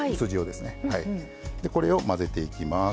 でこれを混ぜていきます。